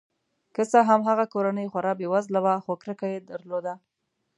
که څه هم هغه کورنۍ خورا بې وزله وه خو کرکه یې درلوده.